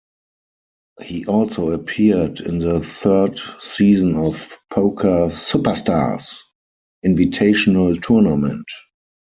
He also appeared in the third season of "Poker Superstars Invitational Tournament".